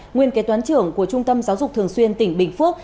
nguyên kế toán trưởng của trung tâm giáo dục thường xuyên tỉnh bình phước